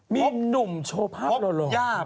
มีหนุ่มโชว์ภาพหล่อ